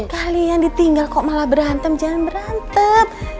kalian ditinggal kok malah berantem jangan berantem